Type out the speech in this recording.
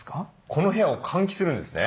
この部屋を換気するんですね。